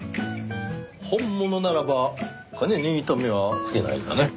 本物ならば金に糸目はつけないがね。